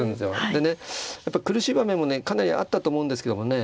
でねやっぱ苦しい場面もねかなりあったと思うんですけどもね